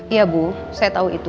iya bu saya tahu itu